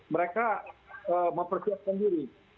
mereka mempersiapkan diri